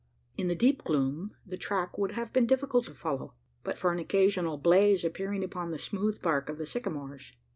In the deep gloom, the track would have been difficult to follow, but for an occasional blaze appearing upon the smooth bark of the sycamores.